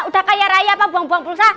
udah kaya raya apa buang buang bulsa